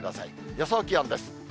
予想気温です。